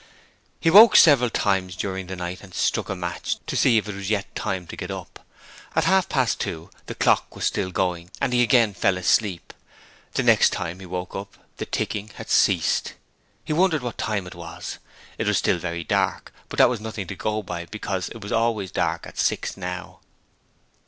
He woke several times during the night and struck a match to see if it was yet time to get up. At half past two the clock was still going and he again fell asleep. The next time he work up the ticking had ceased. He wondered what time it was? It was still very dark, but that was nothing to go by, because it was always dark at six now.